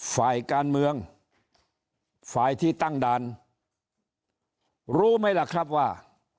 ฝ่ายการเมืองฝ่ายที่ตั้งด่านรู้ไหมล่ะครับว่า